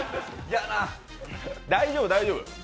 大丈夫、大丈夫。